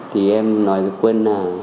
thì em nói với quân là